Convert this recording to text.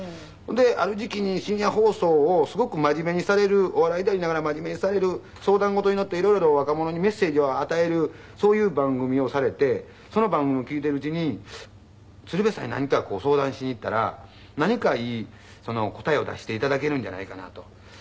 である時期に深夜放送をすごく真面目にされるお笑いでありながら真面目にされる相談事に乗っていろいろ若者にメッセージを与えるそういう番組をされてその番組を聞いてるうちに鶴瓶さんに何か相談しに行ったら何かいい答えを出していただけるんじゃないかなと。